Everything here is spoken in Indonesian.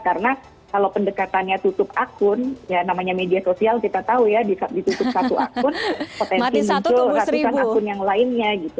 karena kalau pendekatannya tutup akun ya namanya media sosial kita tahu ya ditutup satu akun potensi muncul ratusan akun yang lainnya gitu